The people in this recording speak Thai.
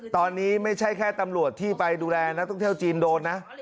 ตอนนี้ไม่ใช่แค่ตำรวจที่ไปดูแลนักท่องเที่ยวจีนโดนนะ